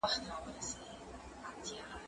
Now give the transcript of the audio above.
ته ولي لاس مينځې!.